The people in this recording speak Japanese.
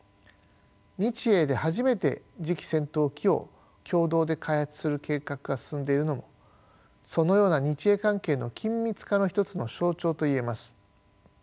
日英で初めて次期戦闘機を共同で開発する計画が進んでいるのもそのような日英関係の緊密化の一つの象徴と言えます。